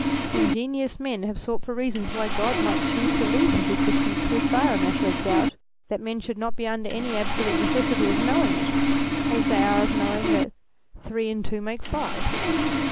Ingenious men have sought for reasons why God might choose to leave his existence so far a matter of doubt that men should not be under an absolute necessity of knowing it, as they are of knowing that three and two make five.